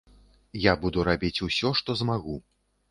Я буду рабіць усё, што змагу.